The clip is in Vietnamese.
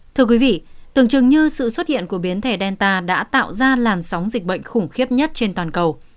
thưa quý vị tưởng chừng như sự xuất hiện của biến thể delta đã tạo ra làn sóng dịch bệnh khủng khiếp nhất trên toàn cầu